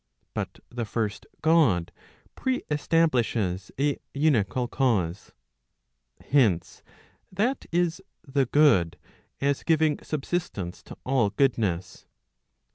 But the first God pre establishes a unical cause. Hence, that is the good , as giving subsistence to all goodness.